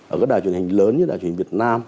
ở các đài truyền hình lớn như đài truyền hình việt nam